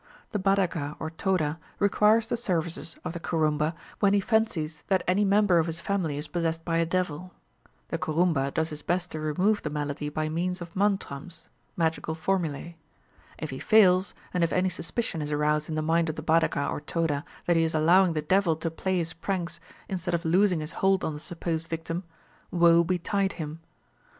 The Badaga or Toda requires the services of the Kurumba, when he fancies that any member of his family is possessed by a devil. The Kurumba does his best to remove the malady by means of mantrams (magical formulæ). If he fails, and if any suspicion is aroused in the mind of the Badaga or Toda that he is allowing the devil to play his pranks instead of loosing his hold on the supposed victim, woe betide him.